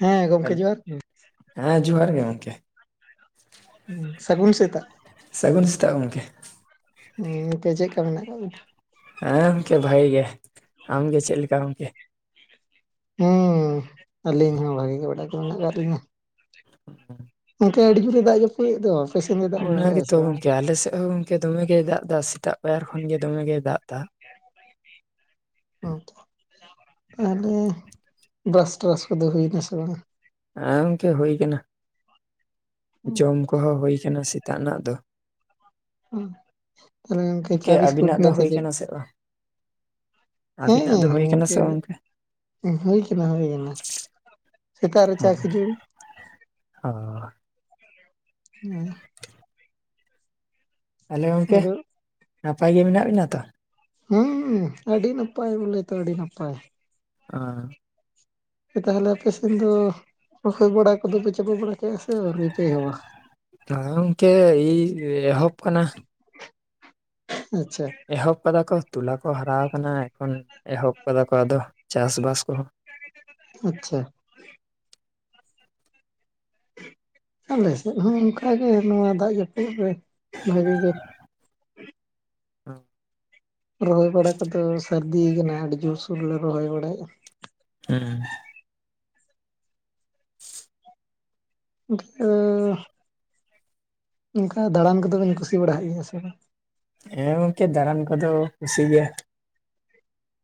ᱦᱮᱸ ᱜᱚᱢᱠᱮ ᱮᱞ- ᱡᱚᱦᱟᱨ ᱜᱮ ᱾ ᱦᱮᱸ ᱡᱚᱦᱟᱨ ᱜᱮ ᱜᱚᱝᱠᱮ ᱾ ᱦᱮᱺ ᱥᱟᱹᱜᱩᱱ ᱥᱮᱛᱟᱜ ᱥᱟᱹᱜᱩᱱ ᱥᱮᱛᱟᱜ ᱜᱚᱝᱠᱮ ᱾ ᱦᱮᱸ ᱱᱤᱠᱟᱹ ᱪᱮᱫ ᱠᱟ ᱢᱮᱱᱟᱜ ᱟᱠᱟᱜ ᱵᱤᱱᱟ? ᱦᱮᱸ ᱜᱚᱝᱠᱮ ᱵᱷᱟᱜᱤ ᱜᱮ ᱾ ᱟᱢ ᱜᱮ ᱪᱮᱫ ᱞᱮᱠᱟ ᱜᱚᱝᱠᱮ? ᱦᱩᱸ ᱟᱹᱞᱤᱧ ᱦᱚᱸ ᱵᱷᱟᱜᱤ ᱜᱮ ᱵᱟᱰᱟᱭ ᱠᱚ ᱢᱮᱱᱟᱜ ᱟᱠᱟᱫ ᱞᱤᱧᱟ ᱾ ᱚᱱᱠᱟ ᱟᱹᱰᱤ ᱡᱳᱨᱮ ᱫᱟᱜ ᱡᱟᱹᱯᱩᱫᱮᱫ ᱫᱚ ᱥᱮᱱ ᱫᱚ ᱫᱟᱜ ᱵᱟᱲᱟᱭᱮᱫᱼᱟ ᱥᱮ ᱚᱱᱟᱜᱮᱛᱚ ᱵᱟᱝ? ᱜᱚᱝᱠᱮ ᱟᱞᱮᱥᱮᱫ ᱦᱚᱸ ᱜᱚᱝᱠᱮ ᱫᱚᱢᱮᱜᱮᱭ ᱫᱟᱜ ᱮᱫᱟ ᱥᱮᱛᱟᱜ ᱞᱟᱭᱟᱨ ᱠᱷᱚᱱ ᱜᱮ ᱫᱚᱢᱮ ᱜᱮ ᱫᱟᱜ ᱮᱫᱟ ᱦᱮᱸ [unintelligible] ᱛᱟᱦᱞᱮ ᱵᱨᱟᱥ ᱴᱨᱟᱥ ᱠᱚᱫᱚ ᱦᱩᱭᱱᱟ ᱥᱮ ᱵᱟᱝ ᱦᱮ ᱜᱚᱝᱠᱮ ᱦᱩᱭ ᱠᱟᱱᱟ ᱡᱚᱢ ᱠᱚᱦᱚᱸ ᱦᱩᱭ ᱟᱠᱟᱱᱟ ᱥᱮᱛᱟᱜ ᱨᱮᱱᱟᱜ ᱫᱚ ᱛᱟᱦᱚᱞᱮ ᱜᱚᱢᱠᱮ ᱪᱟ ᱜᱚᱝᱠᱮ ᱵᱤᱥᱠᱩᱴ ᱟᱵᱤᱱᱟᱜ ᱫᱚ ᱱᱟ ᱦᱩᱭ ᱪᱮᱫ? ᱠᱟᱱᱟ ᱥᱮ ᱵᱟᱝ ᱦᱮᱸ ᱟᱵᱤᱱᱟᱜ ᱫᱚ ᱦᱩᱭ ᱠᱟᱱᱟ ᱜᱚᱢᱠᱮ ᱥᱮ ᱵᱟᱝ ᱜᱚᱝᱠᱮ ᱦᱩᱭ ᱠᱟᱱᱟ ᱦᱩᱭᱟᱱᱟ ᱦᱮᱸ ᱦ [unintelligible] ᱦᱮᱸ [unintelligible] ᱛᱟᱦᱚᱞᱮ ᱜᱚᱝᱠᱮ ᱱᱟᱯᱟᱭ ᱜᱮ ᱢᱮᱱᱟᱜ ᱵᱮᱱᱟ ᱛᱚ ᱦᱩᱺ ᱟᱹᱰᱤ ᱱᱟᱯᱟᱭ ᱵᱚᱞᱮ ᱛᱚ ᱟᱹᱰᱤ ᱱᱟᱯᱟᱭ ᱟᱨ ᱛᱟᱦᱚᱞᱮ ᱟᱯᱮᱥᱮᱱ ᱫᱚ ᱨᱚᱦᱚᱭ ᱵᱟᱲᱟ ᱠᱚᱫᱚᱯᱮ ᱪᱟᱵᱟ ᱵᱟᱲᱟᱭ ᱜᱚᱝᱠᱮ ᱤ ᱮᱦᱚᱵ ᱟᱠᱟᱱᱟ ᱟᱪᱪᱷᱟ ᱮᱦᱚᱵ ᱟᱠᱟᱫᱟ ᱠᱚ ᱛᱚᱞᱟ ᱠᱚ ᱦᱟᱨᱟ ᱟᱠᱟᱱᱟ ᱮᱠᱷᱚᱱ ᱮᱦᱚᱵ ᱟᱠᱟᱫᱟ ᱠᱚ ᱟᱫᱚ ᱪᱟᱥ ᱵᱟᱥ ᱠᱚᱦᱚᱸ ᱟᱪᱪᱷᱟ ᱟᱞᱮ ᱥᱮᱫ ᱦᱚᱸ ᱚᱱᱠᱟᱜᱮ ᱱᱚᱣᱟ ᱫᱟᱜ ᱡᱟᱹᱯᱩᱫ ᱨᱮ ᱵᱷᱟᱜᱤ ᱜᱮ ᱦᱮᱸ [unintelligible] ᱨᱚᱦᱚᱭ ᱵᱟᱲᱟ ᱠᱚᱫᱚ ᱥᱟᱹᱨᱫᱤ ᱠᱟᱱᱟ ᱟᱹᱰᱤ ᱡᱳᱨᱥᱳᱨ ᱞᱮ ᱨᱚᱦᱚᱭ ᱵᱟᱲᱟᱭᱮᱫᱟ [unintelligible] [unintelligible] ᱚᱱᱠᱟ ᱫᱟᱬᱟᱱ ᱠᱚᱫᱚ ᱵᱤᱱ ᱠᱩᱥᱤ ᱵᱟᱲᱟᱜ ᱜᱮᱭᱟ ᱥᱮ ᱵᱟᱝ? ᱦᱮᱸ ᱜᱚᱢᱠᱮ ᱫᱟᱬᱟᱱ ᱠᱚᱫᱚ ᱠᱩᱥᱤ ᱜᱮ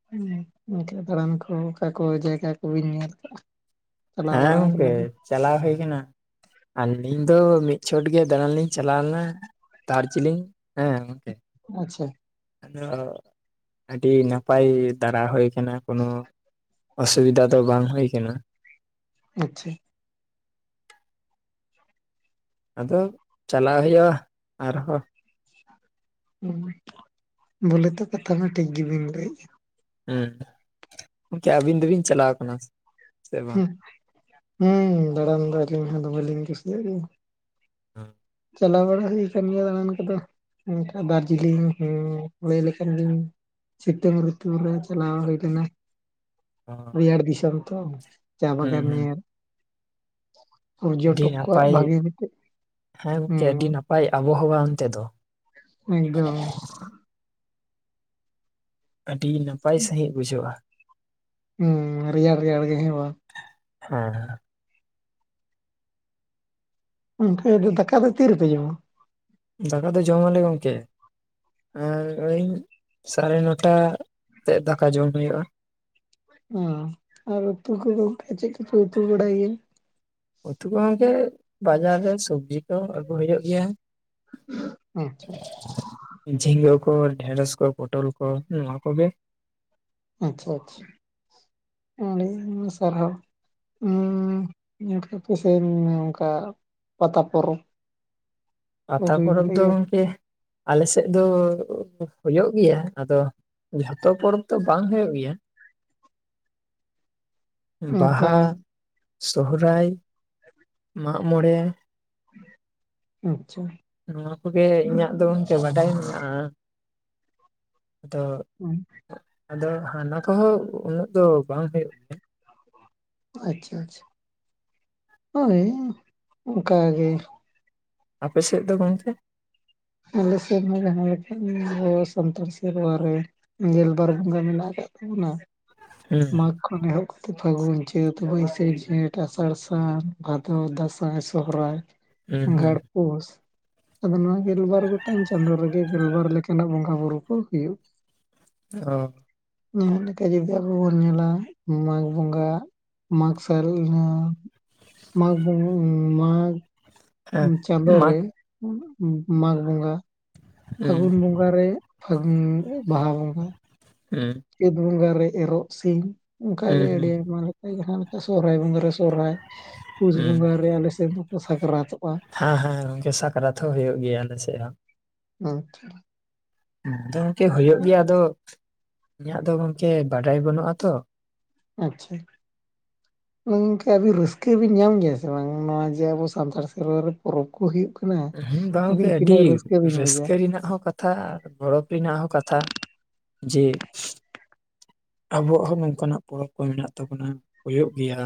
ᱦᱮ [unintelligible] ᱠᱟ ᱫᱟᱬᱟᱱ ᱠᱚ ᱚᱠᱟ ᱠᱚ ᱡᱟᱭᱜᱟ ᱠᱚᱵᱤᱱ ᱧᱮᱞ ᱟᱠᱟᱫᱟ ᱦᱮᱸ ᱜᱚᱝᱠᱮ ᱪᱟᱞᱟᱣ ᱦᱩᱭ ᱠᱟᱱᱟ ᱟᱹᱞᱤᱧ ᱫᱚ ᱢᱤᱫ ᱪᱷᱚᱴ ᱜᱮ ᱫᱟᱬᱟᱱ ᱞᱤᱧ ᱪᱟᱞᱟᱣ ᱞᱮᱱᱟ ᱫᱟᱨᱡᱤᱞᱤᱝ ᱦᱮᱸᱜᱚᱢᱠᱮ ᱟᱪᱪᱷᱟ ᱟᱫᱚ ᱟᱹᱰᱤ ᱱᱟᱯᱟᱭ ᱫᱟᱬᱟ ᱦᱩᱭ ᱠᱟᱱᱟ ᱠᱳᱱᱳ ᱚᱥᱩᱵᱤᱫᱟ ᱫᱚ ᱵᱟᱝ ᱦᱩᱭ ᱟᱠᱟᱱᱟ ᱟᱪᱪᱷᱟ ᱟᱫᱚ ᱪᱟᱞᱟᱜ ᱦᱩᱭᱩᱜᱼᱟ ᱟᱨᱦᱚᱸ ᱵᱚᱞᱮ ᱛᱚ ᱠᱟᱛᱷᱟ ᱢᱟ ᱴᱷᱤᱠ ᱜᱮᱵᱤᱱ ᱞᱟᱹᱭᱮᱜᱼᱟ ᱦᱮᱸ ᱜᱚᱢᱠᱮ ᱟᱹᱵᱤᱱ ᱫᱚᱵᱤᱱ ᱪᱟᱞᱟᱣ ᱠᱟᱱᱟ ᱥᱮ? ᱵᱟᱝ ᱦᱩᱸ ᱫᱟᱬᱟᱱ ᱫᱚ ᱟᱹᱞᱤᱧ ᱦᱚᱸᱫᱚᱢᱮ ᱞᱤᱧ ᱠᱩᱥᱤᱭᱟᱜ ᱜᱮ ᱦ [unintelligible] ᱪᱟᱞ ᱵᱟᱲᱟ ᱦᱩᱭ ᱠᱟᱱ ᱜᱮᱭᱟ ᱫᱟᱲᱟᱱ ᱠᱚᱫᱚ ᱫᱟᱨᱡᱤᱞᱤᱝ ᱦᱚᱸ ᱞᱟᱹᱭ ᱞᱮᱠᱷᱟᱱ ᱜᱤᱧ ᱥᱤᱛᱩᱝᱨᱤᱛᱩ ᱨᱮ ᱪᱟᱞᱟᱜᱣᱱᱟ [inaudible] ᱨᱮᱡᱟᱲ ᱫᱤᱥᱚᱢ ᱛᱚ ᱪᱟ ᱦᱩᱸ ᱵᱟᱜᱟᱱ ᱦᱩᱸ ᱧᱮᱞ ᱟᱹᱰᱤ ᱯᱚᱨᱡᱚᱴᱚᱠ ᱠᱚᱣᱟᱜ ᱱᱟᱯᱟᱭ ᱵᱷᱟᱹᱜᱤ [unintelligible] ᱦᱮᱸ ᱜᱚᱝᱠᱮ ᱟᱹᱰᱤ ᱱᱟᱯᱟᱭ ᱟᱵᱚᱦᱟᱣᱟ ᱚᱱᱛᱮ ᱫᱚ ᱮᱠᱫᱚᱢ ᱟᱹᱰᱤ ᱱᱟᱯᱟᱭ ᱥᱟᱺᱦᱤᱡ ᱵᱩᱡᱷᱟᱹᱜᱼᱟ ᱦᱩᱸ ᱨᱮᱭᱟᱲ ᱨᱮᱭᱟᱲ ᱜᱮ ᱦᱮᱸ ᱵᱟᱝ ᱦᱮᱸ [unintelligible] ᱫᱚ ᱫᱟᱠᱟ ᱫᱚ ᱛᱤ ᱨᱮᱯᱮ ᱡᱚᱢᱟ ᱫᱟᱠᱟ ᱫᱚ ᱡᱚᱢᱟᱞᱮ ᱜᱚᱝᱠᱮ ᱟᱨ ᱳᱭ ᱥᱟᱲᱮ ᱱᱚᱴᱟᱛᱮᱫ ᱫᱟᱠᱟ ᱡᱚᱢ ᱦᱩᱭᱩᱜᱼᱟ ᱦᱸ ᱟᱨ ᱩᱛᱩ ᱠᱚᱫᱚ ᱜᱚᱢᱠᱮ ᱪᱮᱫ ᱠᱚᱯᱮ ᱩᱛᱩ ᱵᱟᱲᱟᱭ ᱜᱮᱭᱟ ᱩᱛᱩ ᱜᱚᱢᱠᱮ ᱵᱟᱡᱟᱨ ᱨᱮ ᱥᱚᱵᱡᱤ ᱠᱚ ᱟᱹᱜᱩ ᱦᱩᱭᱩᱜ ᱜᱮᱭᱟ ᱟᱪᱪᱷᱟ ᱡᱷᱤᱸᱜᱟᱹ ᱠᱚ ᱰᱷᱮᱸᱲᱚᱥ ᱠᱚ ᱯᱚᱴᱚᱞ ᱠᱚ ᱱᱚᱣᱟ ᱠᱚᱜᱮ ᱟᱪᱪᱷᱟ ᱟᱪᱪᱷᱟ ᱟᱹᱰᱤ ᱟᱭᱢᱟ ᱥᱟᱨᱦᱟᱣ [unintelligible] ᱼᱼ ᱥᱮᱱᱞᱤᱱᱟ ᱚᱱᱠᱟ ᱯᱟᱛᱟ ᱯᱚᱨᱚᱵᱽ [inaudible] ᱯᱟᱛᱟ ᱯᱚᱨᱚᱵᱽ ᱵᱟᱲᱟᱜ ᱫᱚ ᱜᱮᱭᱟ ᱜᱚᱢᱠᱤ ᱟᱞᱮᱥᱮᱫ ᱫᱚ ᱦᱩᱭᱩᱜ ᱜᱮᱭᱟ ᱟᱫᱚ ᱡᱷᱚᱛᱚ ᱯᱚᱨᱚᱵᱽ ᱫᱚ ᱵᱟᱝ ᱦᱩᱭᱩᱜ ᱜᱮᱭᱟ ᱚᱱᱠᱟ ᱵᱟᱦᱟ ᱥᱚᱦᱚᱨᱟᱭ ᱢᱟᱜ ᱢᱚᱬᱮ ᱟᱪᱪᱷᱟ ᱱᱚᱣᱟ ᱠᱚᱜᱮ ᱤᱧᱟᱹᱜ ᱫᱚ ᱜᱚᱝᱠᱮ ᱵᱟᱰᱟᱭ ᱢᱮᱱᱟᱜᱼᱟ ᱟᱫᱚ ᱦᱩᱸ [inaudible] ᱟᱫᱚ ᱦᱟᱱᱟ ᱠᱚᱦᱚᱸ ᱩᱱᱟᱹᱜ ᱫᱚ ᱵᱟᱝ ᱦᱩᱭᱩᱜ ᱛᱮ ᱟᱪᱪᱷᱟ ᱟᱪᱪᱷᱟ ᱦᱳᱭ ᱚᱱᱠᱟ ᱜᱮ ᱟᱯᱮᱥᱮᱫ ᱫᱚ ᱜᱚᱢᱠᱮ ᱟᱞᱮ ᱥᱮᱫ ᱦᱚᱸ ᱡᱟᱦᱟᱸ ᱞᱮᱠᱟ ᱥᱟᱱᱛᱟᱲ ᱥᱮᱨᱣᱟ ᱨᱮ ᱜᱮᱞᱵᱟᱨ ᱵᱚᱸᱜᱟ ᱢᱮᱱᱟᱜ ᱠᱟᱜ ᱛᱟᱵᱚᱱᱟ ᱦᱩᱸ ᱠᱷᱚᱱ ᱮᱦᱚᱵ ᱠᱟᱛᱮ ᱯᱷᱟᱹᱜᱩᱱ ᱪᱟᱹᱛ ᱵᱟᱹᱭᱥᱟᱹ ᱡᱷᱮᱸᱴ ᱟᱥᱟᱲ ᱥᱟᱱ ᱵᱷᱟᱫᱚᱨ ᱫᱟᱸᱥᱟᱭ ᱥᱚᱦᱨᱟᱭ ᱦᱩᱸ ᱦᱩᱸ ᱟᱜᱷᱟᱲ ᱯᱩᱥ ᱟᱫᱚ ᱱᱚᱣᱟ ᱜᱮᱞᱵᱟᱨ ᱜᱚᱴᱟᱝ ᱪᱟᱸᱫᱳ ᱨᱮᱜᱮ ᱜᱮᱞᱵᱟᱨ ᱞᱮᱠᱟᱱᱟᱜ ᱵᱚᱸᱜᱟ ᱵᱩᱨᱩ ᱠᱚ ᱦᱩᱭᱩᱜᱼᱟ ᱚᱻ ᱱᱮ ᱞᱮ ᱞᱮᱠᱟ ᱡᱩᱫᱤ ᱟᱵᱚ ᱟᱵᱚ ᱵᱚᱱ ᱧᱮᱞᱟ ᱢᱟᱜᱽ ᱵᱚᱸᱜᱟ ᱢᱟᱜᱽᱥᱚᱨᱩᱞ ᱤᱱᱟ ᱢᱟᱜᱽ ᱵᱚᱝᱜᱟ ᱢᱟᱜᱽ ᱦᱮᱸ ᱪᱟᱸᱫᱳ ᱢᱟ ᱨᱮ ᱢᱟᱜᱽ ᱵᱚᱸᱜᱟ ᱦᱩᱸ ᱯᱷᱟᱹᱜᱩᱱ ᱵᱚᱸᱜᱟ ᱨᱮ ᱯᱷᱟᱹᱜᱩᱱ ᱵᱟᱦᱟ ᱵᱚᱸᱜᱟ ᱦᱮᱸ ᱪᱟᱹᱛ ᱵᱚᱸᱜᱟ ᱨᱮ ᱮᱨᱚᱜ ᱥᱤᱢ ᱦᱩᱸ ᱚᱱᱠᱟᱜᱮ ᱟᱹᱰᱤ ᱦᱩᱸ ᱟᱭᱢᱟ ᱞᱮᱠᱟ ᱡᱟᱦᱟᱸ ᱞᱮᱠᱟ ᱥᱚᱨᱦᱟᱭ ᱵᱚᱸᱜᱟ ᱨᱮ ᱥᱚᱦᱨᱟᱭ ᱯᱩᱥ ᱦᱩᱸ ᱵᱚᱸᱜᱟ ᱨᱮ ᱟᱞᱮ ᱥᱮᱫ ᱫᱚᱠᱚ ᱥᱟᱠᱨᱟᱛᱚᱜᱼᱟ ᱦᱮᱸ ᱦᱮᱸ ᱜᱚᱝᱠᱮ ᱥᱟᱠᱨᱟᱛ ᱦᱚᱸ ᱦᱩᱭᱩᱜ ᱜᱮᱭᱟ ᱟᱞᱮ ᱥᱮᱫ ᱦᱚᱸ ᱟᱪᱷᱟ ᱟᱫᱚ ᱜᱚᱝᱠᱮ ᱦᱩᱭᱩᱜ ᱜᱮᱭᱟ ᱟᱫᱚ ᱤᱧᱟᱹᱜ ᱫᱚ ᱜᱚᱝᱠᱮ ᱵᱟᱰᱟᱭ ᱵᱟᱹᱱᱩᱜᱼᱟ ᱛᱚ ᱟᱪᱪᱷᱟ ᱛᱚ ᱜᱚᱝᱠᱮ ᱟᱹᱵᱤᱱ ᱨᱟᱹᱥᱠᱟᱹ ᱵᱤᱱ ᱧᱟᱢ ᱜᱮᱭᱟ ᱥᱮ ᱵᱟᱝ ᱱᱚᱣᱟ ᱡᱮ ᱟᱵᱚ ᱥᱟᱱᱛᱟᱲ ᱥᱮᱨᱣᱟ ᱨᱮ ᱯᱚᱨᱚᱵᱽ ᱠᱚ ᱦᱩᱭᱩᱜ ᱠᱟᱱᱟ ᱦᱮᱸ ᱵᱟᱝ ᱜᱚᱝᱠᱮ ᱟᱹᱵᱤᱱ ᱟᱹᱰᱤ ᱛᱤᱱᱟᱹᱜ ᱨᱟᱹᱥᱠᱟᱹ ᱵᱤᱱ ᱵᱩᱡᱟ [unintelligible] ᱠᱟᱛᱷᱟ ᱟᱨ ᱜᱚᱨᱚᱵ ᱨᱮᱱᱟᱜ ᱦᱚᱸ ᱠᱟᱛᱷᱟ ᱡᱮ ᱟᱵᱚᱣᱟᱜ ᱦᱚᱸ ᱱᱚᱝᱠᱟᱱᱟᱜ ᱯᱚᱨᱚᱵᱽ ᱠᱚ ᱢᱮᱱᱟᱜ ᱛᱟᱵᱚᱱᱟ ᱦᱩᱭᱩᱜ ᱜᱮᱭᱟ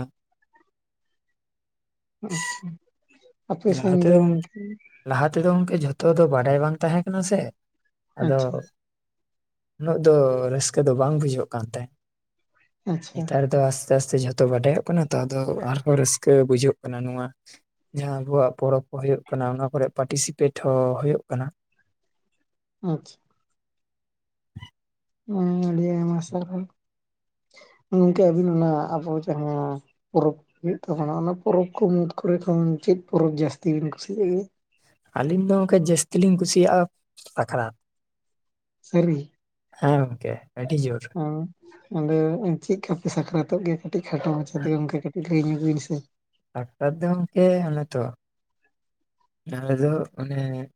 ᱟᱪᱪᱷᱟ ᱟᱯᱮ ᱞᱟᱦᱟ ᱥᱮᱱ ᱫᱚ ᱛᱮᱫᱚ ᱜᱚᱝᱠᱮ ᱞᱟᱦᱟ ᱛᱮᱫᱚ ᱜᱚᱝᱠᱮ ᱡᱷᱚᱛᱚ ᱫᱚ ᱵᱟᱰᱟᱭ ᱵᱟᱝ ᱛᱟᱦᱮᱸ ᱠᱟᱱᱟ ᱥᱮ ᱟᱫᱚ ᱟᱪᱪᱷᱟ ᱩᱱᱟᱹᱜ ᱫᱚ ᱨᱟᱹᱥᱠᱟᱹ ᱫᱚ ᱵᱟᱝ ᱵᱩᱡᱷᱟᱹᱜ ᱠᱟᱱ ᱛᱟᱦᱮᱸᱜ ᱟᱪᱪᱷᱟ ᱱᱮᱛᱟᱨ ᱫᱚ ᱟᱥᱛᱮ ᱟᱥᱛᱮ ᱡᱷᱚᱛᱚ ᱵᱟᱰᱟᱭᱚᱜ ᱠᱟᱱᱟ ᱛᱚ ᱟᱨᱦᱚᱸ ᱨᱟᱹᱥᱠᱟᱹ ᱵᱩᱡᱷᱟᱹᱜ ᱠᱟᱱᱟ ᱱᱚᱣᱟ ᱡᱟᱦᱟᱸ ᱟᱵᱚᱣᱟᱜ ᱯᱚᱨᱚᱵᱽ ᱠᱚ ᱦᱩᱭᱩᱜ ᱠᱟᱱᱟ ᱚᱱᱟ ᱠᱚᱨᱮ ᱯᱟᱴᱤᱥᱤᱯᱮᱴ ᱦᱚᱸ ᱦᱩᱭᱩᱜ ᱠᱟᱱᱟ ᱟᱪᱪᱷᱟ ᱦᱮ ᱟᱹᱰᱤ ᱟᱭᱢᱟ ᱥᱟᱨᱦᱟᱣ ᱜᱚᱝᱠᱮ ᱟᱹᱵᱤᱱ ᱚᱱᱟ ᱟᱵᱚ ᱡᱟᱦᱟᱸ ᱯᱚᱨᱚᱵᱽ ᱦᱩᱭᱩᱜ ᱛᱟᱵᱚᱱᱟ ᱚᱱᱟ ᱯᱚᱨᱚᱵᱽ ᱦᱚᱭᱚᱜ ᱛᱟᱵᱚᱱᱟ ᱩᱱᱟ ᱯᱚᱨᱚᱵᱽ ᱠᱚ ᱢᱩᱫᱽ ᱠᱚᱨᱮ ᱠᱷᱟᱱ ᱪᱮᱫ ᱯᱚᱨᱚᱵᱽ ᱡᱟᱹᱥᱛᱤ ᱵᱤᱱ ᱠᱩᱥᱤᱭᱟᱜ ᱜᱮᱭᱟ ᱟᱹᱞᱤᱧ ᱫᱚ ᱚᱱᱠᱟ ᱡᱟᱹᱥᱛᱤ ᱞᱤᱧ ᱠᱩᱥᱤᱭᱟᱜᱼᱟ ᱟᱠᱷᱟᱲᱟ ᱥᱟᱨᱤ ᱜᱤ ᱜᱚᱝᱠᱮ ᱟᱹᱰᱤ ᱡᱳᱨ ᱚᱻ ᱟᱫᱚ ᱪᱮᱫᱠᱟᱯᱮ ᱥᱟᱠᱨᱟᱛᱚᱜ ᱜᱮᱭᱟ ᱠᱟᱹᱴᱤᱡ ᱠᱷᱟᱴᱚ ᱢᱟᱪᱷᱟ ᱛᱮᱜᱮ ᱚᱱᱠᱟ ᱠᱟᱹᱴᱤᱡ ᱠᱷᱟᱴᱚ ᱢᱟᱪᱷᱟ ᱛᱮᱜᱮᱢ ᱞᱟᱹᱭ ᱧᱚᱜ ᱵᱤᱱ ᱥᱮ ᱟᱯᱮ ᱫᱚ ᱜᱚᱢᱠᱮ ᱚᱱᱮ ᱛᱚ ᱟᱞᱮ ᱫᱚ ᱚᱱᱮ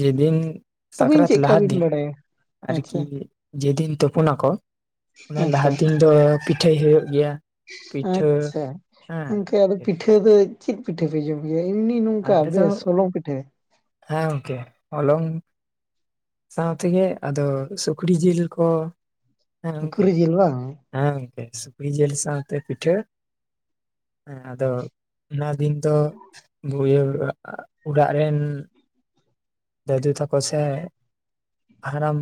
ᱡᱮ ᱫᱤᱱ ᱟᱹᱵᱤᱱ ᱥᱟᱠᱨᱟᱛ ᱪᱮᱫᱠᱟ ᱞᱟᱦᱟ ᱵᱤᱱ ᱫᱤᱱ ᱵᱟᱰᱟᱭᱟ? ᱟᱨᱠᱤ ᱟᱪᱪᱷᱟ ᱡᱮᱫᱤᱱ ᱛᱩᱯᱩ ᱱᱟᱠᱚ ᱚᱱᱟ ᱞᱟᱦᱟ ᱟᱪᱪᱷᱟ ᱫᱤᱱ ᱫᱚ ᱯᱤᱴᱷᱟᱹᱭ ᱦᱩᱭᱩᱜ ᱜᱮᱭᱟ ᱯᱤᱴᱷᱟᱹ ᱟᱪᱪᱷᱟ ᱦᱮᱸ, ᱜᱚᱝᱠᱮ ᱟᱫᱚ ᱯᱤᱴᱷᱟᱹ ᱫᱚ ᱪᱮᱫ ᱯᱤᱴᱷᱟᱹ ᱯᱮ ᱡᱚᱢ ᱜᱮᱭᱟ ᱮᱢᱱᱤ ᱱᱚᱝᱠᱟ ᱟᱞᱮ ᱫᱚ ᱵᱮᱥ ᱦᱚᱞᱚᱝ ᱯᱤᱴᱷᱟᱹ, ᱦᱮᱸ ᱜᱚᱝᱠᱮ ᱚᱞᱚᱝ ᱥᱟᱶ ᱛᱮᱜᱮ ᱟᱫᱚ ᱥᱩᱠᱨᱤ ᱡᱤᱞ ᱠᱚ ᱦᱮᱸ ᱜᱚᱝᱠᱮ ᱥᱩᱠᱨᱤ ᱡᱤᱞ ᱵᱟᱝ, ᱦᱮᱸ ᱜᱚᱝᱠᱮ ᱥᱩᱠᱨᱤ ᱡᱤᱞ ᱥᱟᱶᱛᱮ ᱯᱤᱴᱷᱟᱹ ᱦᱮᱸ ᱟᱫᱚ ᱚᱱᱟ ᱫᱤᱱ ᱛᱚ [unintelligible] ᱚᱲᱟᱜ ᱨᱮᱱ ᱫᱟᱹᱫᱩ ᱛᱟᱠᱚ ᱥᱮ ᱦᱟᱲᱟᱢ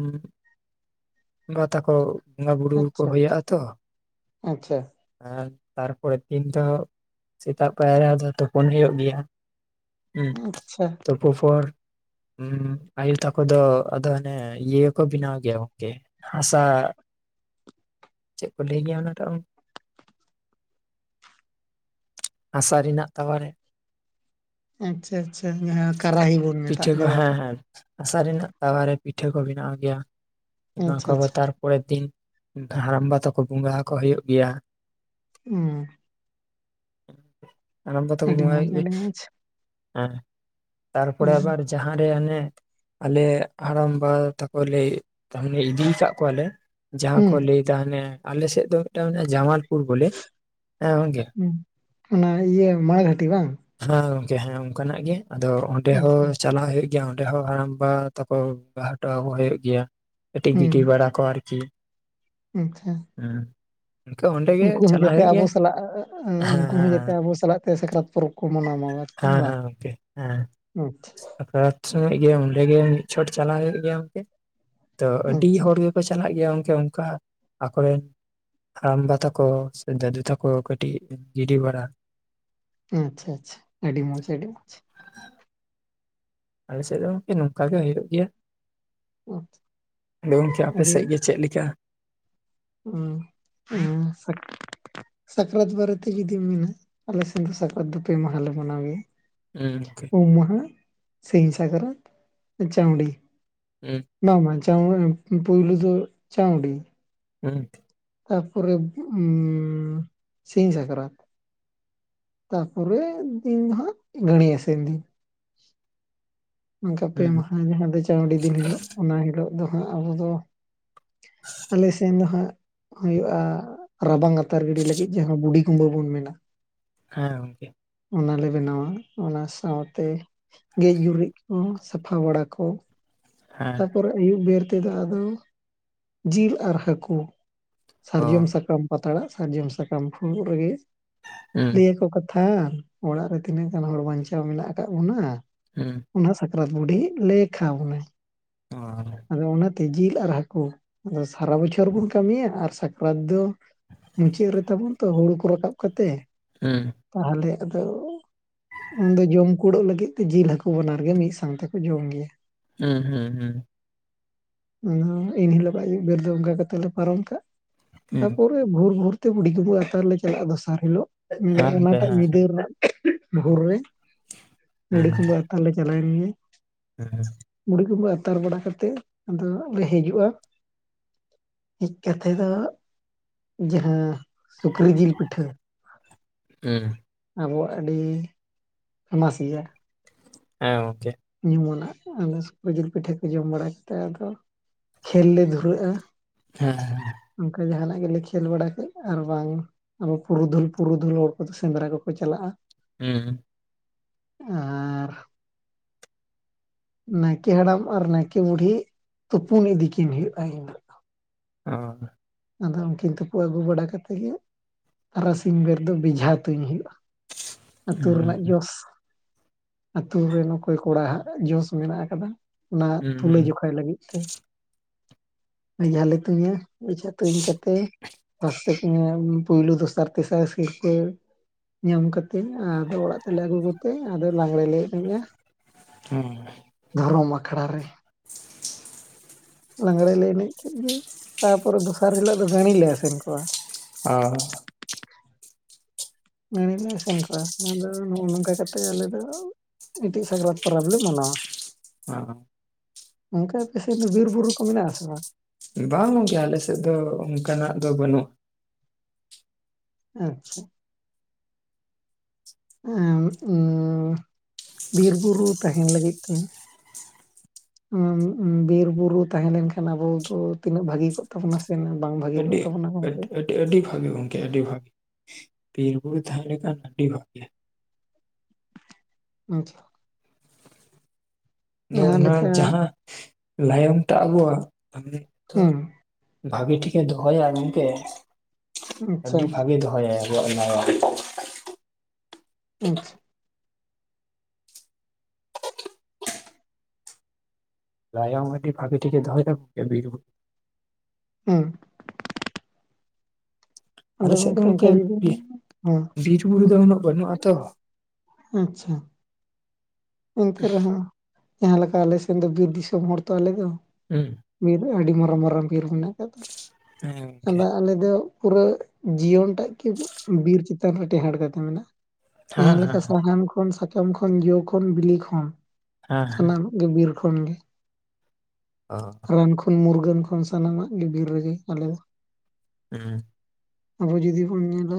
ᱵᱟ ᱛᱟᱠᱚ ᱵᱚᱸᱜᱟ ᱵᱩᱨᱩ ᱠᱚ ᱟᱪᱪᱷᱟ ᱦᱩᱭᱚᱜ-ᱟ ᱛᱚ, ᱟᱪᱪᱷᱟ ᱮᱸ ᱛᱟᱨᱯᱚᱨᱮᱨ ᱫᱤᱱ ᱫᱚ ᱥᱮᱛᱟᱜ ᱯᱟᱭᱟᱨ ᱨᱮ ᱟᱫᱚ ᱛᱩᱯᱩᱱ ᱦᱩᱭᱩᱜ ᱜᱮᱭᱟ, ᱦᱮᱸ ᱟᱪᱪᱷᱟ ᱛᱳᱯᱳ ᱯᱚᱨ ᱦᱩᱸ ᱟᱭᱩ ᱛᱟᱠᱚ ᱫᱚ ᱟᱫᱚ ᱦᱟᱱᱮ ᱤᱭᱟᱹ ᱠᱚ ᱵᱮᱱᱟᱣ ᱜᱮᱭᱟ ᱜᱚᱝᱠᱮ ᱦᱟᱥᱟ ᱪᱮᱫ ᱠᱚ ᱞᱟᱹᱭ ᱜᱮᱭᱟ ᱚᱱᱟᱴᱟᱜ ᱜᱚᱝᱠ ᱦᱟᱥᱟ ᱨᱮᱱᱟᱜ ᱛᱟᱣᱟ ᱨᱮ ᱾ ᱟᱪᱪᱷᱟ ᱟᱪᱪᱷᱟ ᱡᱟᱦᱟᱸ ᱠᱟᱨᱟᱦᱤ ᱵᱚᱱ ᱯᱤᱴᱷᱟᱹ ᱢᱮᱛᱟᱜ ᱠᱚ ᱫᱚ ᱵᱟᱝ ᱦᱮᱸ ᱦᱮᱸ ᱦᱟᱥᱟ ᱨᱮᱱᱟᱜ ᱛᱟᱣᱟᱨᱮ ᱯᱤᱴᱷᱟᱹ ᱠᱚ ᱵᱮᱱᱟᱣ ᱜᱮᱭᱟ, ᱚᱱᱟ ᱠᱚ ᱟᱪᱪᱷᱟ ᱟᱵᱟᱨ ᱟᱪᱪᱷᱟ ᱛᱟᱨᱯᱚᱨᱮᱨ ᱫᱤᱱ ᱦᱟᱲᱟᱢᱵᱟ ᱛᱟᱠᱚ ᱵᱚᱸᱜᱟ ᱠᱚ ᱦᱩᱭᱩᱜ ᱜᱮᱭᱟ, ᱩᱸᱻ ᱦᱟᱲᱟᱢᱵᱟ ᱛᱟ ᱠᱚ ᱟᱹᱰᱤ ᱵᱚᱸᱜᱟ ᱢᱚᱡᱽ ᱦᱩᱭᱩᱜ ᱜᱮᱭᱟ ᱟᱹᱰᱤ ᱢᱚᱡᱽ ᱦᱮᱸ ᱛᱟᱨᱯᱚᱨᱮ ᱦᱩᱸ ᱟᱵᱟᱨ ᱡᱟᱦᱟᱸᱨᱮ ᱦᱟᱱᱮ ᱟᱞᱮ ᱦᱟᱲᱟᱢᱵᱟ ᱛᱟᱠᱚ ᱞᱮ ᱛᱟᱦᱚᱞᱮ ᱤᱫᱤ ᱠᱟᱜ ᱠᱚᱣᱟᱞᱮ ᱡᱟᱦᱟᱸ ᱠᱚ ᱦᱩᱸ ᱞᱟᱹᱭ ᱛᱟ ᱦᱟᱱᱮ ᱟᱞᱮ ᱥᱮᱫ ᱫᱚ ᱢᱤᱫᱴᱟᱝ ᱢᱮᱱᱟᱜᱼᱟ ᱡᱟᱢᱟᱞᱯᱩᱨ ᱵᱚᱞᱮ ᱦᱮᱸ ᱜᱚᱝᱠᱮ ᱦᱩᱸ ᱚᱱᱟ ᱤᱭᱟᱹ ᱢᱟᱲᱜᱷᱟᱴᱤ ᱵᱟᱝ? ᱦᱮᱸ ᱜᱚᱝᱠᱮ ᱦᱮᱸ ᱚᱱᱠᱟᱱᱟᱜ ᱜᱮ ᱟᱫᱚ ᱚᱸᱰᱮ ᱦᱚᱸ ᱟᱪᱪᱷᱟ ᱪᱟᱞᱟᱣ ᱦᱩᱭᱩᱜ ᱜᱮ ᱚᱸᱰᱮ ᱦᱚᱸ ᱦᱟᱲᱟᱢᱵᱟ ᱛᱟᱠᱚ ᱵᱟᱦᱟ ᱴᱚᱣᱟᱠᱚ ᱦᱩᱭᱩᱜ ᱜᱮᱭᱟ ᱠᱟᱹᱴᱤᱡ ᱦᱩᱸ ᱜᱤᱰᱤ ᱵᱟᱲᱟ ᱠᱚ ᱟᱨᱠᱤ, ᱟᱪᱪᱷᱟ, ᱦᱩᱸ ᱤᱱᱠᱟᱹ ᱚᱸᱰᱮ ᱩᱱᱠᱩ ᱦᱚᱸ ᱡᱟᱛᱮ ᱟᱵᱚ ᱥᱟᱞᱟᱜ ᱦᱮᱸ ᱩᱱᱠᱩ ᱦᱚᱸ ᱡᱟᱛᱮ ᱟᱵᱚ ᱥᱟᱞᱟᱜ ᱛᱮ ᱥᱟᱠᱨᱟᱛ ᱯᱚᱨᱚᱵᱽ ᱠᱚ ᱢᱟᱱᱟᱣᱟ ᱢᱟ ᱦᱮᱸ [unintelligible] ᱦᱮᱸ ᱵᱟ, ᱦᱮᱸ ᱜᱚᱝᱠᱮ, ᱦᱮᱸ ᱥᱟᱠᱨᱟᱛ ᱥᱚᱢᱚᱸᱡ ᱜᱮ ᱚᱸᱰᱮ ᱜᱮ ᱢᱤᱫ ᱪᱷᱚᱴ ᱪᱟᱞᱟᱣ ᱦᱩᱭᱩᱜ ᱜᱮᱭᱟ ᱜᱚᱝᱠᱮ, ᱛᱚ ᱟᱹᱰᱤ ᱟᱪᱪᱷᱟ ᱦᱚᱲ ᱜᱮᱠᱚ ᱪᱟᱞᱟᱜ ᱜᱮᱭᱟ ᱜᱚᱝᱠᱮ ᱚᱱᱠᱟ ᱟᱠᱚᱨᱮᱱ ᱦᱟᱲᱟᱢᱵᱟ ᱛᱟᱠᱚ ᱥᱮ ᱫᱟᱫᱩ ᱛᱟᱠᱚ ᱠᱟᱹᱴᱤᱡ ᱜᱤᱜᱤ ᱵᱟᱲᱟ, ᱟᱪᱪᱷᱟ ᱟᱪᱪᱷᱟ ᱟᱹᱰᱤ ᱢᱚᱡᱽ ᱟᱹᱰᱤ ᱢᱚᱡᱽ, ᱟᱞᱮ ᱥᱮᱫ ᱫᱚ ᱜᱚᱝᱠᱮ ᱱᱚᱝᱠᱟ ᱜᱮ ᱦᱩᱭᱩᱜ ᱜᱮᱭᱟ ᱾ ᱟᱫᱚ ᱜᱚᱝᱠᱮ ᱟᱯᱮ ᱥᱮᱫ ᱜᱮ ᱪᱮᱫ ᱞᱮᱠᱟ? ᱩᱸ ᱩᱸ ᱥᱟᱠ ᱥᱟᱠᱨᱟᱛ ᱵᱟᱨᱮᱛᱮ ᱡᱩᱫᱤᱢ ᱢᱮᱱᱟ ᱟᱞᱮ ᱥᱮᱱ ᱫᱚ ᱥᱟᱠᱨᱟᱛ ᱫᱚ ᱯᱮ ᱢᱟᱦᱟ ᱞᱮ ᱢᱟᱱᱟᱣ ᱜᱮᱭᱟ ᱩᱝᱠᱮ, ᱩᱢ ᱢᱟᱦᱟ, ᱥᱤᱧ ᱥᱟᱠᱨᱟᱛ, ᱪᱟᱣᱰᱤ ᱩᱸ [unintelligible] ᱵᱟᱝ ᱵᱟᱝ ᱪᱟᱣ [unintelligible] ᱯᱩᱭᱞ ᱫᱚ ᱪᱟᱣᱰᱤ, ᱦᱩᱸ ᱛᱟᱨ ᱯᱚᱨᱮ ᱩᱸ ᱥᱤᱧ ᱥᱟᱠᱨᱟᱛ, ᱛᱟᱨ ᱯᱚᱨᱮ ᱫᱤᱱ ᱦᱟᱸᱜ ᱜᱟᱹᱲᱤ ᱟᱥᱮᱱ ᱫᱤᱱ ᱚᱱᱠᱟ ᱯᱮ ᱦᱩᱸ ᱢᱟᱦᱟ ᱜᱮ ᱡᱟᱦᱟ ᱫᱚ ᱪᱟᱣᱣᱰᱤ ᱫᱤᱱ ᱦᱤᱞᱳᱜ ᱚᱱᱟ ᱦᱤᱞᱳᱜ ᱫᱚ ᱦᱟᱸᱜ ᱟᱵᱚ ᱫᱚ ᱟᱞᱮ ᱥᱮᱱ ᱫᱚ ᱦᱟᱸᱜ ᱦᱩᱭᱩᱜᱼᱟ ᱨᱟᱵᱟᱝ ᱟᱛᱟᱨ ᱜᱤᱰᱤ ᱞᱟᱹᱜᱤᱫ ᱡᱟᱦᱟᱸ ᱵᱩᱰᱷᱤ ᱠᱩᱢᱵᱟᱹ ᱵᱚᱱ ᱢᱮᱱᱟ, ᱦᱮᱸ ᱜᱚᱝᱠᱮ, ᱚᱱᱟᱞᱮ ᱵᱮᱱᱟᱣᱟ ᱚᱱᱟ ᱥᱟᱶᱛᱮ ᱜᱮᱡᱽ ᱜᱩᱨᱤᱡᱽ, ᱦᱚᱸ ᱥᱟᱯᱷᱟ ᱵᱟᱲᱟ ᱠᱚ ᱦᱮᱸ ᱛᱟᱨᱯᱚᱨᱮ ᱟᱭᱩᱵ ᱵᱮᱨ ᱛᱮᱫᱚ ᱟᱫᱚ ᱡᱤᱞ ᱟᱨ ᱦᱟᱹᱠᱩ ᱚ ᱥᱟᱨᱡᱚᱢ ᱥᱟᱠᱟᱢ ᱯᱟᱛᱲᱟᱜ ᱥᱟᱨᱡᱚᱢ ᱥᱟᱠᱟᱢ ᱯᱷᱩᱲᱩᱜ ᱨᱮᱜᱮ ᱦᱩᱸ ᱞᱟᱹᱭᱟᱠᱚ ᱛᱷᱟᱱ ᱚᱲᱟᱜ ᱨᱮ ᱛᱤᱱᱟᱹᱜ ᱜᱟᱱ ᱦᱚᱲ ᱵᱟᱧᱪᱟᱣ ᱢᱮᱱᱟᱜ ᱟᱠᱟᱫ ᱵᱚᱱᱟ ᱦᱩᱸ ᱚᱱᱟ ᱥᱟᱠᱨᱟᱛ ᱵᱩᱰᱷᱤ ᱞᱟᱹᱭ ᱠᱷᱟᱣ ᱵᱚᱱᱟ ᱾ ᱚᱸ ᱟᱫᱚ ᱚᱱᱟᱛᱮ ᱡᱤᱞ ᱟᱨ ᱦᱟᱹᱠᱩ ᱟᱫᱚ ᱥᱟᱨᱟ ᱵᱚᱪᱷᱚᱨ ᱵᱚᱱ ᱠᱟᱹᱢᱤᱭᱟ ᱟᱨ ᱥᱟᱠᱨᱟᱛ ᱫᱚ ᱢᱩᱪᱟᱹᱫ ᱨᱮ ᱛᱟᱵᱚᱱ ᱛᱚ ᱦᱩᱲᱩ ᱠᱚ ᱨᱟᱠᱟᱵ ᱠᱟᱛᱮ ᱦᱮᱸ ᱛᱟᱦᱚᱞᱮ ᱟᱫᱚ ᱩᱱᱫᱚ ᱡᱚᱢ ᱠᱩᱲᱟᱹᱜ ᱞᱟᱹᱜᱤᱫ ᱛᱮ ᱡᱤᱞ ᱦᱟᱹᱠᱩ ᱵᱟᱱᱟᱨ ᱜᱮ ᱢᱤᱫ ᱥᱟᱶ ᱛᱮᱠᱚ ᱡᱚᱢ ᱜᱮᱭᱟ᱾ ᱦᱩᱸ ᱦᱩᱸ ᱦᱩᱸ᱾ ᱮᱱ ᱦᱤᱞᱳᱜᱟᱜ ᱟᱹᱭᱩᱵ ᱵᱮᱨ ᱫᱚ ᱚᱱᱠᱟ ᱠᱟᱛᱮᱜ ᱞᱮ ᱯᱟᱨᱚᱢ ᱠᱟᱜ ᱦᱮᱸ ᱛᱟᱯᱚᱨ ᱵᱷᱩᱨ ᱵᱷᱩᱨᱛᱮ ᱵᱩᱰᱷᱤᱜᱩ ᱟᱛᱟᱨ ᱞᱮ ᱪᱟᱞᱟᱜᱼᱟ ᱫᱚᱥᱟᱨ ᱦᱤᱞᱳᱜ ᱜᱚᱝᱠᱮ ᱚᱱᱟᱴᱟᱜ ᱦᱮᱸ ᱧᱤᱫᱟᱹ ᱨᱮᱱᱟᱜ ᱵᱷᱳᱨ ᱨᱮ ᱵᱩᱲᱤ ᱠᱩᱢᱵᱟᱹ ᱟᱛᱟᱨ ᱞᱮ ᱪᱟᱞᱟᱣᱮᱱ ᱜᱮ ᱦᱮᱸ ᱦᱮᱸ ᱵᱩᱲᱦᱤ ᱠᱩᱢᱵᱟᱹ ᱟᱛᱟᱨ ᱵᱟᱲᱟ ᱠᱟᱛᱮᱫ ᱟᱫᱚ ᱞᱮ ᱦᱤᱡᱩᱜᱼᱟ᱾ ᱦᱮᱡ ᱠᱟᱛᱮ ᱫᱚ ᱡᱟᱦᱟᱸ ᱥᱩᱠᱨᱤ ᱡᱤᱞ ᱯᱤᱴᱷᱟᱹ ᱦᱮᱸ ᱟᱵᱚᱣᱟᱜ ᱟᱹᱰᱤ ᱯᱷᱮᱢᱟᱥ ᱜᱮᱭᱟ᱾ ᱦᱮᱸ ᱜᱚᱢᱠᱮ ᱧᱩᱢᱩᱱᱟᱜ ᱟᱫᱚ ᱥᱤᱠᱨᱤ ᱡᱤᱞ ᱯᱤᱴᱷᱟᱹ ᱠᱚ ᱡᱚᱢ ᱵᱟᱲᱟ ᱠᱟᱛᱮᱫ ᱟᱫᱚ ᱠᱷᱮᱞ ᱞᱮ ᱫᱷᱩᱨᱟᱹᱜᱼᱟ᱾ ᱦᱮᱸ ᱦᱮᱸ᱾ ᱚᱱᱠᱟ ᱡᱟᱦᱟᱱᱟᱜ ᱜᱮᱞᱮ ᱠᱷᱮᱞ ᱵᱟᱲᱟ ᱠᱮᱫ ᱟᱨ ᱵᱟᱝ ᱟᱵᱚ ᱯᱩᱨᱩᱫᱷᱩᱞ ᱯᱩᱨᱩᱫᱷᱩᱞ ᱦᱚᱲ ᱠᱚᱫᱚ ᱥᱮᱸᱫᱽᱨᱟ ᱠᱚᱠᱚ ᱪᱟᱞᱟᱜᱼᱟ᱾ ᱦᱮᱸ᱾ ᱟᱨ ᱱᱟᱭᱠᱮ ᱦᱟᱲᱟᱢ ᱟᱨ ᱱᱟᱭᱠᱮ ᱵᱩᱰᱦᱤ ᱛᱩᱯᱩᱱ ᱤᱫᱤ ᱠᱤᱱ ᱦᱩᱭᱩᱜᱼᱟ [unintelligible] ᱟᱨ ᱟᱫᱚ ᱩᱱᱠᱤᱱ ᱛᱩᱯᱩ ᱟᱹᱜᱩ ᱵᱟᱲᱟ ᱠᱟᱛᱮᱫ ᱜᱮ ᱛᱟᱨᱟᱥᱤᱧ ᱵᱮᱨ ᱫᱚ ᱵᱮᱡᱷᱟ ᱛᱩᱧ ᱦᱩᱭᱩᱜᱼᱟ᱾ ᱟᱹᱛᱩ ᱦᱩᱸ ᱦᱩᱸ ᱨᱮᱱᱟᱜ ᱡᱚᱥ ᱟᱛᱩ ᱨᱮᱱ ᱚᱠᱚᱭ ᱠᱚᱲᱟ ᱦᱟᱸᱜ ᱡᱚᱥ ᱢᱮᱱᱟᱜ ᱟᱠᱟᱫᱟ ᱚᱱᱟ ᱦᱩᱸ ᱛᱩᱞᱟᱹ ᱦᱩᱸ ᱡᱠᱷᱟᱭ ᱞᱟᱹᱜᱤᱫ ᱛᱮ ᱵᱮᱡᱷᱟ ᱞᱮ ᱛᱩᱧᱟ᱾ ᱵᱮᱡᱷᱟ ᱛᱩᱧ ᱠᱟᱛᱮ [unintelligible] ᱯᱳᱭᱞᱳ ᱫᱚᱥᱟᱨ ᱛᱮᱥᱟᱨ ᱥᱤᱨᱯᱟᱹ ᱧᱟᱢ ᱠᱟᱛᱮᱜ ᱟᱫᱚ ᱚᱲᱟᱜ ᱛᱮᱞᱮ ᱟᱹᱜᱩ ᱠᱚᱛᱮ ᱟᱫᱚ ᱞᱟᱜᱽᱲᱮ ᱞᱮ ᱮᱱᱮᱡ ᱟ ᱫᱷᱚᱨᱚᱢ ᱟᱠᱷᱲᱟ ᱨᱮ᱾ [inaudible] ᱞᱟᱸᱽᱲᱮ ᱞᱮ ᱮᱱᱮᱡ ᱠᱮᱫ ᱜᱮ ᱛᱟᱯᱚᱨᱮ ᱫᱚᱥᱟᱨ ᱦᱤᱞᱳᱜ ᱫᱚ ᱜᱟᱹᱲᱤ ᱞᱮ ᱟᱥᱮᱱ ᱠᱚᱣᱟ᱾ ᱟ ᱜᱟᱹᱲᱤ ᱞᱮ ᱟᱥᱮᱱ ᱠᱚᱣᱟ ᱟᱫᱚ ᱱᱚᱜᱼᱚ ᱱᱚᱝᱠᱟ ᱠᱟᱛᱮᱜ ᱟᱞᱮ ᱫᱚ ᱤᱴᱤ ᱥᱟᱠᱨᱟᱛ ᱯᱚᱨᱚᱵ ᱞᱮ ᱢᱟᱱᱟᱣᱟ᱾ [unintelligible] ᱱᱚᱝᱠᱟ ᱟᱯᱮᱥᱮᱫ ᱫᱚ ᱵᱤᱨ ᱵᱩᱨᱩ ᱠᱚ ᱢᱮᱱᱟᱜ ᱟᱥᱮ ᱵᱟᱝ? ᱵᱟᱝ ᱜᱚᱝᱠᱮ ᱟᱞᱮᱥᱮᱫ ᱫᱚ ᱚᱱᱠᱟᱱᱟᱜ ᱫᱚ ᱵᱟᱹᱱᱩᱜᱼᱟ᱾ ᱟᱪᱪᱷᱟ᱾ ᱵᱤᱨ ᱵᱩᱨᱩ ᱛᱟᱦᱮᱱ ᱞᱟᱹᱜᱤᱫ ᱛᱮ ᱩᱸ ᱩᱸ ᱵᱤᱨ ᱵᱩᱨᱩ ᱛᱟᱦᱮᱸ ᱞᱮᱱᱠᱷᱟᱱ ᱫᱚ ᱟᱵᱚ ᱫᱚ ᱛᱤᱱᱟᱹᱜ ᱵᱷᱟᱹᱜᱤ ᱠᱚᱜ ᱛᱟᱵᱚᱱᱟ ᱥᱮ ᱾ ᱛᱤᱱᱟᱹᱜ ᱵᱟᱝ ᱵᱷᱟ ᱟᱹᱰᱤ ᱟᱹᱴ ᱟᱹᱴ ᱟᱹᱰᱤ ᱵᱷᱟᱜᱮ ᱜᱚᱝᱠᱮ, ᱟᱹᱰᱤ ᱵᱷᱟᱜᱮ ᱵᱤᱨᱵᱩᱨᱩ ᱛᱟᱦᱮᱸ ᱞᱮᱠᱷᱟᱱ ᱟᱹᱰᱤ ᱵᱷᱽᱟᱜᱮ ᱢᱟᱪᱷᱟ ᱟᱫᱚ ᱡᱟᱦᱟᱸ ᱚᱱᱟ ᱞᱮᱠᱟ ᱡᱟᱦᱟᱸ ᱞᱟᱭᱚᱝ ᱛᱟᱜ ᱟᱵᱚᱣᱟᱜ ᱦᱮᱸ [unintelligible] ᱵᱷᱟᱜᱤ ᱴᱷᱤᱠᱮ ᱫᱚᱦᱚᱭᱟ ᱢᱮᱱᱛᱮ ᱟᱪᱪᱷᱟ ᱟᱹᱰᱤ ᱵᱷᱟᱜᱤ ᱫᱚᱦᱚᱭᱟᱭ ᱟᱵᱚᱣᱟᱜ ᱱᱚᱣᱟ ᱟᱪᱪᱷᱟ ᱾ ᱞᱟᱭᱟᱢ ᱟᱹᱰᱤ ᱵᱷᱟᱹᱜᱤ ᱴᱷᱤᱠ ᱫᱚᱦᱚᱭ ᱮᱫᱟ ᱵᱤᱨ ᱵᱩᱨᱩ ᱦᱮᱸ᱾ ᱟᱫᱚ ᱟᱞᱮᱥᱮᱫ ᱫᱚ ᱚᱱᱠᱟ ᱜᱚᱝᱠᱮ ᱡᱩᱫᱤ ᱦᱮᱸ ᱵᱤᱨ ᱵᱩᱨᱩ ᱫᱚ ᱩᱱᱟᱹᱜ ᱵᱟᱹᱱᱩᱜᱼᱟᱛᱚ ᱟᱪᱪᱷᱟ ᱮᱱᱛᱮ ᱨᱮᱦᱚᱸ ᱡᱟᱦᱟᱸ ᱞᱮᱠᱟ ᱟᱞᱮ ᱥᱮᱱ ᱫᱚ ᱵᱤᱨ ᱫᱤᱥᱚᱢ ᱦᱚᱲ ᱛᱚ ᱟᱞᱮ ᱫᱚ ᱾ ᱦᱢ ᱾ ᱵᱤᱨ ᱟᱹᱰᱤ ᱢᱟᱨᱟᱝ, ᱢᱟᱨᱟᱝ ᱵᱤᱨ ᱢᱮᱱᱟᱜ ᱟᱠᱟᱫ ᱦᱮᱸ ᱛᱟᱞᱮᱭᱟ ᱜᱚᱝᱠᱮ ᱟᱫᱚ ᱟᱞᱮ ᱫᱚ ᱯᱩᱨᱟᱹ ᱡᱤᱭᱚᱱ ᱴᱟᱜ ᱠᱤ ᱵᱤᱨ ᱪᱮᱛᱟᱱ ᱨᱮ ᱴᱮᱸᱦᱟᱴ ᱠᱟᱛᱮ ᱢᱮᱱᱟᱜᱼᱟ? ᱦᱮᱸ ᱡᱟᱦᱟᱸ ᱞᱮᱠᱟ ᱦᱮᱸ ᱥᱟᱦᱟᱱ ᱠᱷᱚᱱ, ᱥᱟᱠᱟᱢ ᱠᱷᱚᱱ ᱡᱚ ᱠᱷᱚᱱ ᱵᱤᱞᱤ ᱠᱷᱚᱱ ᱦᱮᱸ ᱦᱮᱸ ᱥᱟᱱᱟᱢ ᱜᱮ ᱵᱤᱨ ᱠᱷᱚᱱ ᱜᱮ ᱚ ᱾ ᱨᱟᱱ ᱠᱷᱚᱱ ᱢᱩᱨᱜᱟᱹᱱ ᱠᱷᱚᱱ ᱥᱟᱱᱟᱢᱟᱜ ᱜᱮ ᱵᱤᱨ ᱨᱮᱜᱮ ᱟᱞᱮ ᱦᱢ ᱾ ᱟᱵᱚ ᱡᱩᱫᱤ ᱵᱚᱱ ᱧᱮᱞᱟ